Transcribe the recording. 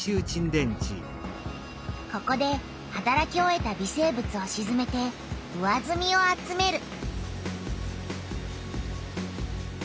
ここではたらき終えた微生物をしずめて上ずみを集める。